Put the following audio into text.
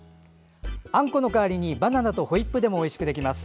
あんこの代わりにバナナとホイップでもおいしくできます。